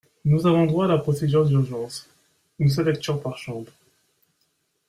Nous avons droit à la procédure d’urgence : une seule lecture par chambre.